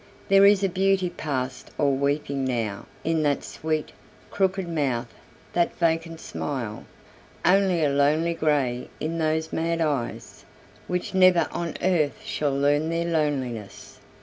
There is a beauty past all weeping now In that sweet, crooked mouth, that vacant smile; Only a lonely grey in those mad eyes, Which never on earth shall learn their loneliness.